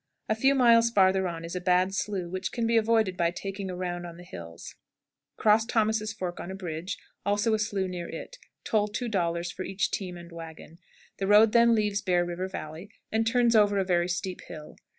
A few miles farther on is a bad slough, which can be avoided by taking a round on the hills. Cross Thomas's Fork on a bridge, also a slough near it; toll $2.00 for each team and wagon. The road then leaves Bear River Valley, and turns over a very steep hill.